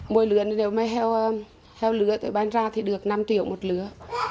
mỗi lửa nếu mấy heo lửa tôi ban ra thì được năm triệu một lửa